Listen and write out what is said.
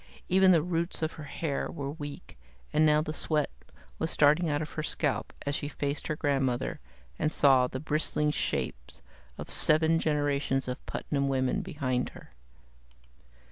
Even the roots of her hair were weak, and now the sweat was starting out on her scalp as she faced her grandmother and saw the bristling shapes of seven generations of Putnam women behind her.